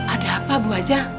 ada apa bu aja